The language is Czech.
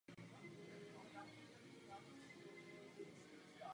Model pro tuto geometrii je obvykle projektivní rovina anebo projektivní prostor.